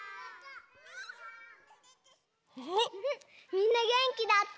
みんなげんきだって！